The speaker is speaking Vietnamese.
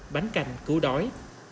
bánh canh cứu đói